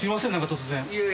突然。